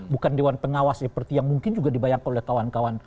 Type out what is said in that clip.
bukan dewan pengawas seperti yang mungkin juga dibayangkan oleh kawan kawan